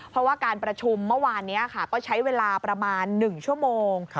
เพราะว่าการประชุมเมื่อวานนี้ก็ใช้เวลาประมาณ๑ชั่วโมง